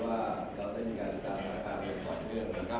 ผมรับสัญญาณว่า